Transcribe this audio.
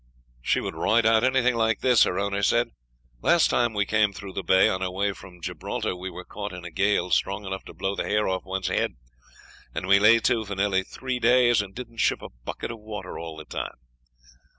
"She would ride out anything like that," her owner said. "Last time we came through the Bay on our way from Gib. we were caught in a gale strong enough to blow the hair off one's head, and we lay to for nearly three days, and didn't ship a bucket of water all the time.